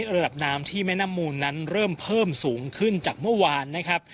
ระดับน้ำที่แม่น้ำมูลนั้นเริ่มเพิ่มสูงขึ้นจากเมื่อวานนะครับ